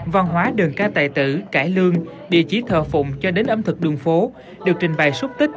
văn hóa đường ca tài tử cải lương địa chỉ thợ phụng cho đến ấm thực đường phố được trình bày xúc tích